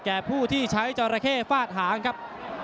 แก่ผู้ใช้เจอยราเคฟาดหางครับ